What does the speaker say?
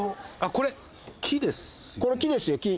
これ木ですよ木。